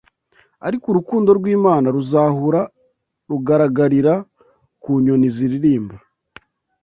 Ariko urukundo rw’Imana ruzahura rugaragarira ku nyoni ziririmba